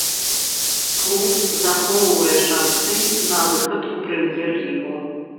Клуб захоўвае шанцы на выхад у прэм'ер-лігу.